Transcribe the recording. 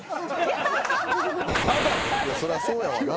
そりゃそうやわな。